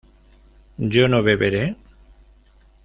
¿yo no beberé?